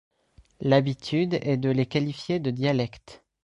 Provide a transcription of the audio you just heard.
L'habitude est de les qualifier de dialectes.